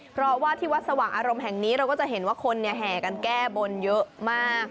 เพราะว่าที่วัดสว่างอารมณ์แห่งนี้เราก็จะเห็นว่าคนแห่กันแก้บนเยอะมาก